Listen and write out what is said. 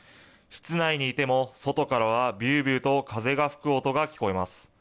室内にいても、外からはびゅーびゅーと風が吹く音が聞こえます。